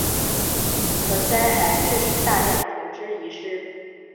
何塞还致使大量船只遗失。